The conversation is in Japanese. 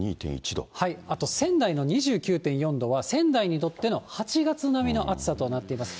あと仙台の２９．４度は、仙台にとっての８月並みの暑さとなっています。